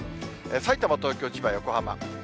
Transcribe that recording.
さいたま、東京、千葉、横浜。